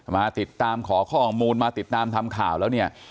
มาติดตามขอข้อมูลมาติดตามทำข่าวแล้วเนี่ย